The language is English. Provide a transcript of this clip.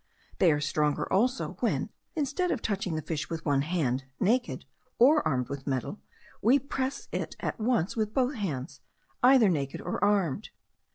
They are stronger also, when, instead of touching the fish with one hand, naked, or armed with metal, we press it at once with both hands, either naked or armed.